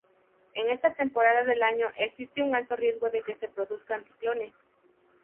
En esta temporada del año existe un alto riesgo de que se produzcan ciclones.